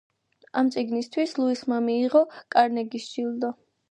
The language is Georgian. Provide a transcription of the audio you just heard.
ამ წიგნისათვის ლუისმა მიიღო კარნეგის ჯილდო.